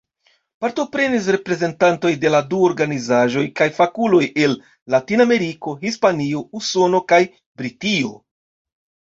Partoprenis reprezentantoj de la du organizaĵoj kaj fakuloj el Latinameriko, Hispanio, Usono kaj Britio.